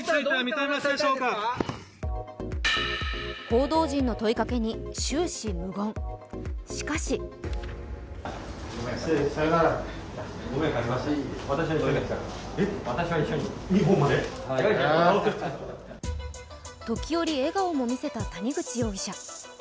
報道陣の問いかけに終始無言、しかし時折、笑顔も見せた谷口容疑者。